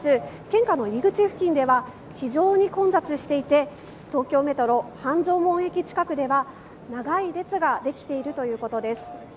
献花の入り口付近は非常に混雑していて東京メトロ半蔵門駅近くでは長い列ができているということです。